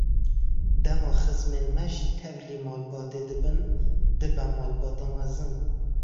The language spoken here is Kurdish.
Dema xizmên me jî tevlî malbatê dibin, dibe malbata mezin.